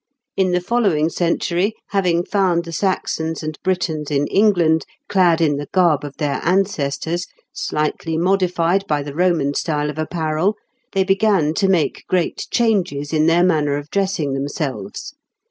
In the following century, having found the Saxons and Britons in England clad in the garb of their ancestors, slightly modified by the Roman style of apparel, they began to make great changes in their manner of dressing themselves.